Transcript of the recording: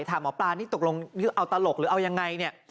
ถามหมอปลานี่ตกลงเอาตลกหรือเอายังไงเนี่ย